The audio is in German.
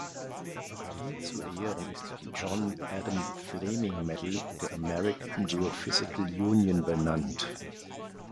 Ihm zu Ehren ist die John Adam Fleming Medal der American Geophysical Union benannt.